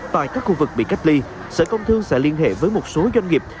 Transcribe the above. tại các khu vực bị cách ly sở công thương sẽ liên hệ với một số doanh nghiệp